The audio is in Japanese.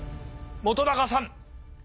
本さん。